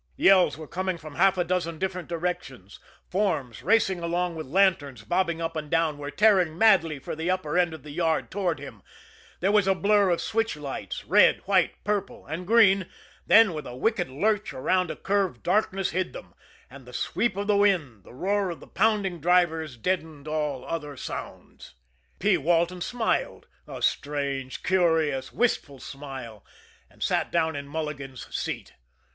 Yells were coming from half a dozen different directions; forms, racing along with lanterns bobbing up and down, were tearing madly for the upper end of the yard toward him; there was a blur of switch lights, red, white, purple and green then with a wicked lurch around a curve darkness hid them, and the sweep of the wind, the roar of the pounding drivers deadened all other sounds. P. Walton smiled a strange, curious, wistful smile and sat down in Mulligan's seat.